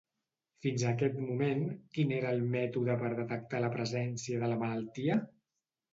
Fins aquest moment, quin era el mètode per detectar la presència de la malaltia?